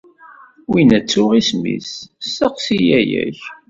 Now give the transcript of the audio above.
Winna ttuɣ isem-is, steqsi yaya-k.